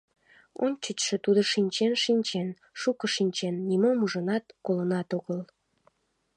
Ончычшо тудо шинчен-шинчен, шуко шинчен, нимом ужынат, колынат огыл...